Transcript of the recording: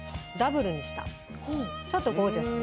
ちょっとゴージャスに。